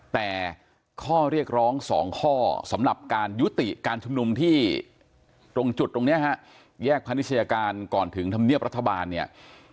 แต่ข้อเรียกร้องสองข้อสำหรับการยุติการชุมนุมที่ตรงจุดตรงนี้ฮะแยกพนิชยาการก่อนถึงธรรมเนียบรัฐบาลเนี่ย